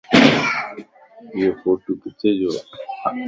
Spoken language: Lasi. ايو ڦوٽو ڪٿي جووَ؟